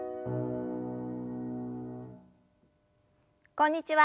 こんにちは